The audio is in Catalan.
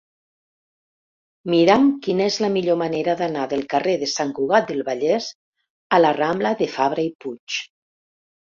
Mira'm quina és la millor manera d'anar del carrer de Sant Cugat del Vallès a la rambla de Fabra i Puig.